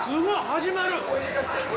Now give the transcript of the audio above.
始まる。